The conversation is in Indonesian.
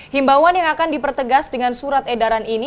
himbauan yang akan dipertegas dengan surat edaran ini